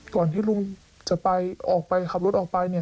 ก่อนที่ลุงจะไปออกไปขับรถออกไป